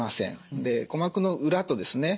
で鼓膜の裏とですね